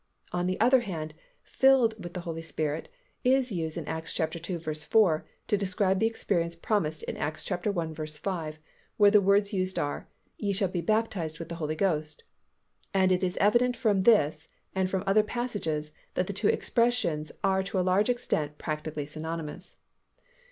On the other hand "filled with the Holy Spirit" is used in Acts ii. 4, to describe the experience promised in Acts i. 5, where the words used are "Ye shall be baptized with the Holy Ghost." And it is evident from this and from other passages that the two expressions are to a large extent practically synonymous.